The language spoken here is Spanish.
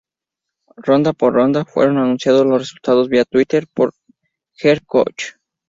Ronda por ronda fueron anunciados los resultados vía Twitter por cada head coach.